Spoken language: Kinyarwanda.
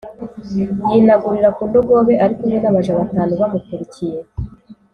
yinagurira ku ndogobe ari kumwe n’abaja batanu bamukurikiye